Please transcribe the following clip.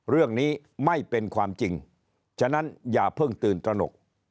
เรื่องนี้ไม่เป็นความจริงฉะนั้นอย่าเพิ่งตื่นตระหนก